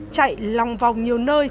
chạy lòng vòng nhiều nơi